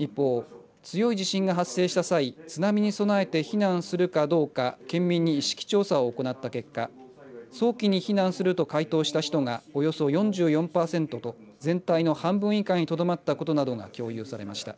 一方、強い地震が発生した際、津波に備えて避難するかどうか県民に意識調査を行った結果、早期に避難すると回答した人がおよそ４４％と全体の半分以下にとどまったことなどが共有されました。